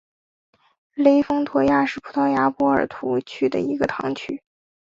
雷丰托拉是葡萄牙波尔图区的一个堂区。